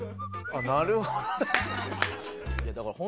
あっなるほどね。